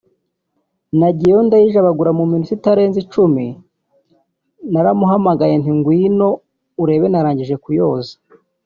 nayigiyeho ndayijabagura mu minota itageze ku icumi naramuhamagaye nti ngwino urebe narangije kuyoza